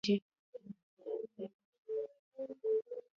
که پی ایل له ایل ایل سره مساوي شي پی ای صفر کیږي